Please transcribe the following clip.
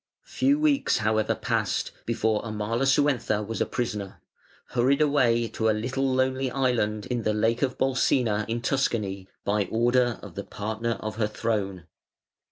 Few weeks, however, passed, before Amalasuentha was a prisoner, hurried away to a little lonely island in the Lake of Bolsena in Tuscany by order of the partner of her throne.